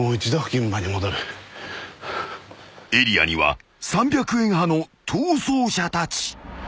［エリアには３００円派の逃走者たち］